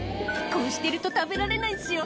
「こうしてると食べられないんすよ」